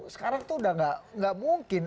sekarang tuh udah gak mungkin